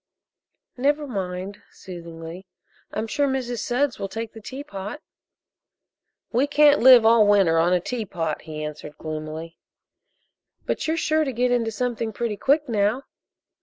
"Never mind," soothingly, "I'm sure Mrs. Sudds will take the teapot." "We can't live all winter on a teapot," he answered gloomily. "But you're sure to get into something pretty quick now."